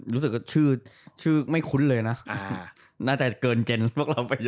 รู้สึกว่าชื่อไม่คุ้นเลยนะน่าจะเกินเจนพวกเราไปเยอะ